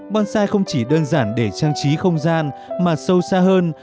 bonsai không chỉ đơn giản để trang trí không gian mà sâu xa hơn